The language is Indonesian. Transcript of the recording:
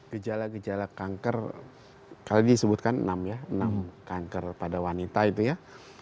kejala kejala kanker kali disebutkan enam ya enam kanker pada wanita itu ya